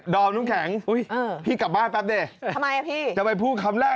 โลกมันเปลี่ยนไปเลย